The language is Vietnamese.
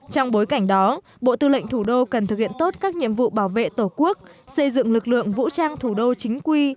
trong bối cảnh đó bộ tư lệnh thủ đô cần thực hiện tốt các nhiệm vụ bảo vệ tổ quốc xây dựng lực lượng vũ trang thủ đô chính quy